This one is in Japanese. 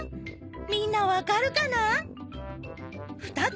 みんなわかるかな？